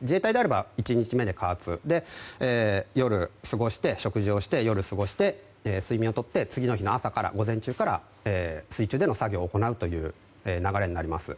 自衛隊であれば１日目で加圧夜、過ごして食事して夜過ごして、睡眠をとって次の日の朝、午前中から水中での作業を行うという流れになります。